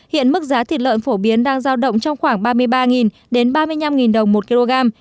hiện mức giá thịt lợn phổ biến đang giao động trong khoảng ba mươi ba đến ba mươi năm đồng một kg